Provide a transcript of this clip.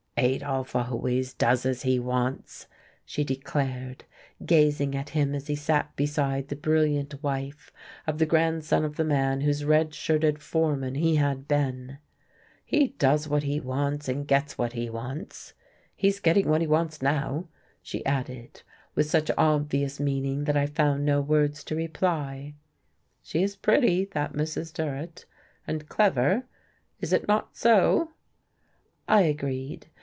"Adolf always does as he wants," she declared, gazing at him as he sat beside the brilliant wife of the grandson of the man whose red shirted foreman he had been. "He does what he wants, and gets what he wants. He is getting what he wants now," she added, with such obvious meaning that I found no words to reply. "She is pretty, that Mrs. Durrett, and clever, is it not so?" I agreed.